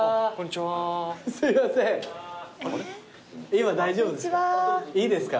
今大丈夫ですか？